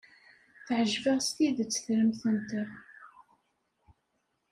Teɛjeb-aɣ s tidet tremt-nteɣ.